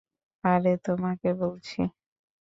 আরে তোমাকে বলছি।